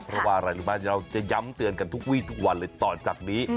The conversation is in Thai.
เพราะว่าอะไรรู้ไหมเราจะย้ำเตือนกันทุกวีทุกวันเลยต่อจากนี้